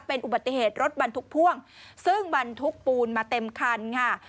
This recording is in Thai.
เป็นอุบัติเหตุรถบรรทุกพ่วงซึ่งบรรทุกปูนมาเต็มคันค่ะ